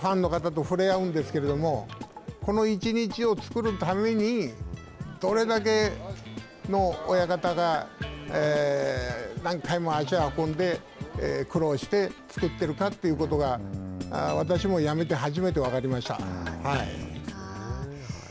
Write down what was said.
だから、やっぱり現役は毎日こうして行ってファンの方とふれあうんですけどこの１日を作るためにどれだけの親方が何回も足を運んで苦労して作っているかということが私もやめて初めて分かりました。